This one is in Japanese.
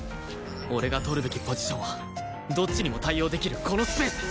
俺が取るべきポジションはどっちにも対応できるこのスペース！